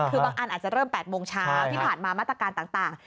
คือบางอันอาจจะเริ่ม๘โมงเช้าที่ผ่านมามาตรการต่าง